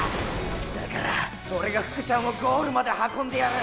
だからオレが福ちゃんをゴールまで運んでやる。